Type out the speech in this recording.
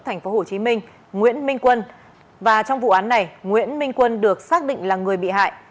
tp hồ chí minh nguyễn minh quân và trong vụ án này nguyễn minh quân được xác định là người bị hại